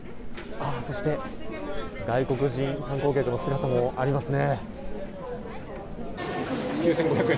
そして外国人観光客の姿もありますね。